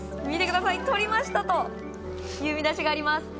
見てください、取りましたという見出しがあります。